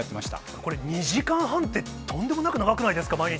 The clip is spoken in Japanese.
これ、２時間半って、とんでもなく長くないですか、毎日。